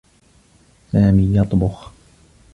سامي يطبخ.